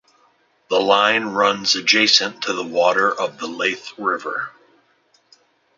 The line runs adjacent to the Water of Leith river.